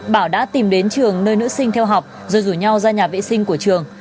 bảo đã tìm đến trường nơi nữ sinh theo học rồi rủ nhau ra nhà vệ sinh của trường